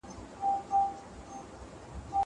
زه بايد منډه ووهم!!